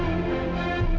kamu sama siapa pun